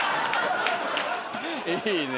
いいね